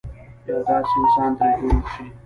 یو داسې انسان ترې جوړ شي.